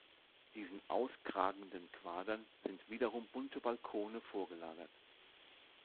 Diesen auskragenden Quadern sind wiederum bunte Balkone vorgelagert.